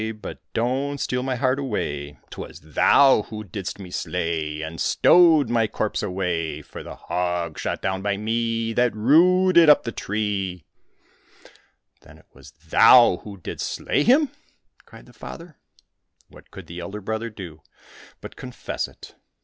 But don't steal my hear my heart away ! 169 COSSACK FAIRY TALES ^Twas thou who didst me slay^ And stowed my corpse away^ For the hog shot down by me. That rooted up the tree I "" Then it was thou who didst slay him ?" cried the father. What could the elder brother do but confess it